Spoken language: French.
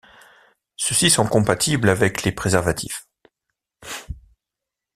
Ceux-ci sont compatibles avec les préservatifs.